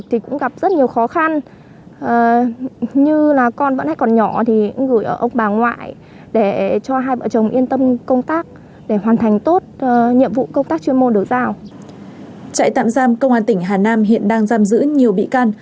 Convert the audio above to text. chạy tạm giam công an tỉnh hà nam hiện đang giam giữ nhiều bị can